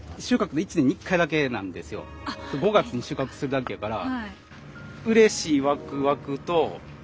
５月に収穫するだけやから。